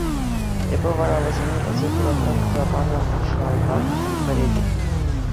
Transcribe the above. Эп вара вӗсене эсӗ туратран туса панӑ пӑшалпа перетӗп.